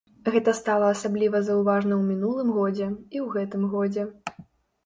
Гэта стала асабліва заўважна ў мінулым годзе, і ў гэтым годзе.